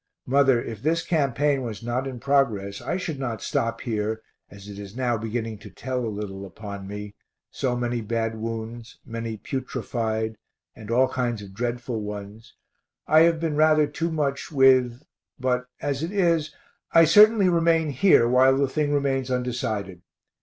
Mother, if this campaign was not in progress I should not stop here, as it is now beginning to tell a little upon me, so many bad wounds, many putrefied, and all kinds of dreadful ones, I have been rather too much with but as it is, I certainly remain here while the thing remains undecided.